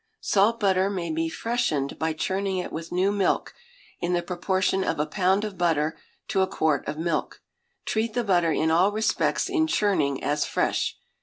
Salt butter may be freshened by churning it with new milk, in the proportion of a pound of butter to a quart of milk. Treat the butter in all respects in churning as fresh.